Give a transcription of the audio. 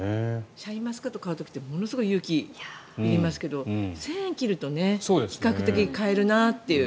シャインマスカット買う時ってものすごい勇気がいりますけど１０００円切ると比較的買えるなという。